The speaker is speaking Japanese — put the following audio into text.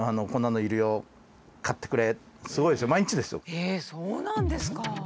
へえそうなんですか！